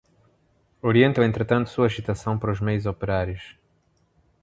orientam entretanto sua agitação para os meios operários